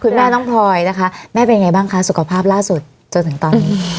แม่น้องพลอยนะคะแม่เป็นไงบ้างคะสุขภาพล่าสุดจนถึงตอนนี้